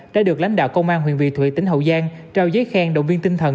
đã được lãnh đạo công an huyện vị thủy tỉnh hậu giang trao giấy khen động viên tinh thần